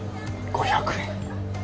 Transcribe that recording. ５００円？